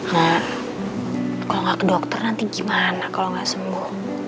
nah kalau gak ke dokter nanti gimana kalau gak sembuh